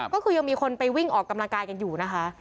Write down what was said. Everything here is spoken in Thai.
ก็คือยังมีคนไปวิ่งออกกำลังกายกันอยู่นะคะ